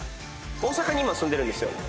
大阪に今住んでるんですよ。